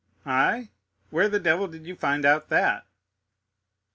"I?—where the devil did you find out that?"